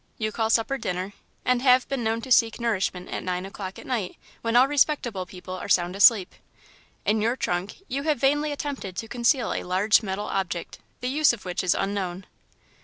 You call supper 'dinner,' and have been known to seek nourishment at nine o'clock at night, when all respectable people are sound asleep. In your trunk, you have vainly attempted to conceal a large metal object, the use of which is unknown."